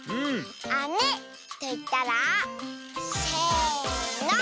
「あめ」といったらせの。